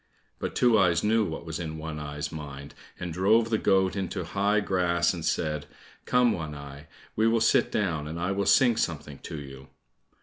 But Two eyes knew what was in One eye's mind, and drove the goat into high grass and said, "Come, One eye, we will sit down, and I will sing something to you."